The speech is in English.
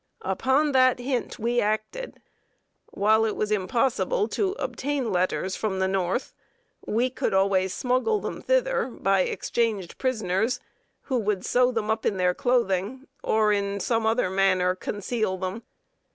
Upon that hint we acted. While it was impossible to obtain letters from the North, we could always smuggle them thither by exchanged prisoners, who would sew them up in their clothing, or in some other manner conceal them.